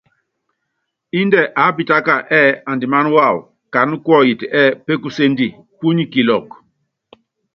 Índɛ aápitáka ɛɛ́ andiman wawɔ kanyikuɔyit ɛɛ́ pékusendi, punyi kilɔk.